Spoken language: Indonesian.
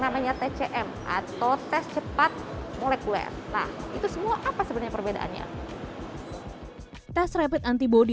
namanya tcm atau tes cepat molekuler nah itu semua apa sebenarnya perbedaannya tes rapid antibody